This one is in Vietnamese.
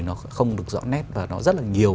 nó không được rõ nét và nó rất là nhiều